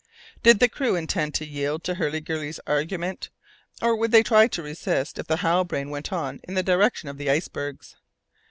Did the crew intend to yield to Hurliguerly's argument, or would they try to resist if the Halbrane went on in the direction of the icebergs?